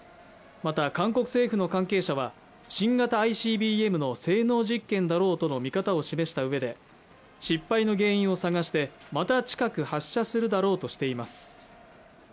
また韓国政府の関係者は新型ＩＣＢＭの性能実験だろうとの見方を示したうえで失敗の原因を探してまた近く発射するだろうとしています